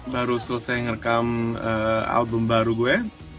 baru selesai merekam album baru gue